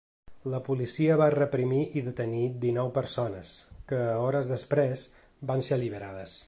La policia va reprimir i detenir dinou persones, que hores després van ser alliberades.